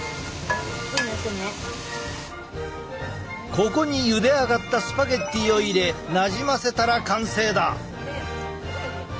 ここにゆであがったスパゲッティを入れなじませたら完成だ！